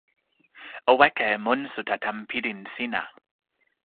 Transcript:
o weka e monsuta tan pilin sina.